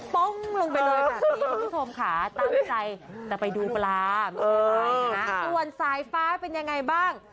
ป้องลงไปเลยแบบนี้คุณผู้ชมค่ะตั้งใจจะไปดูปลาส่วนสายฟ้าเป็นยังไงบ้าง